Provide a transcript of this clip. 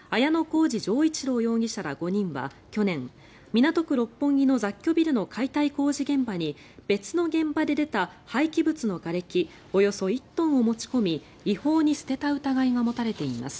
小路丈一郎容疑者ら５人は去年港区六本木の雑居ビルの解体工事現場に別の現場で出た廃棄物のがれきおよそ１トンを持ち込み違法に捨てた疑いが持たれています。